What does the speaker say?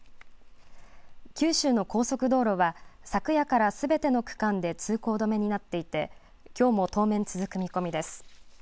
九州の高速道路は昨夜からすべての区間で通行止めになっていて、きょうも当面、続く見込みです。